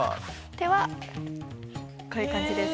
手はこういう感じです。